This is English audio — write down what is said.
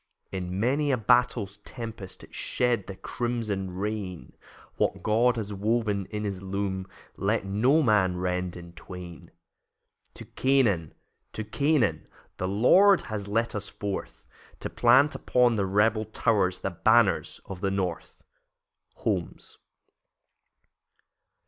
In many a battle's tempest It shed the crimson rain What God has woven in his loom Let no man rend in twain. To Canaan, to Canaan, The Lord has led us forth, To plant upon the rebel towers The banners of the North. Holmes.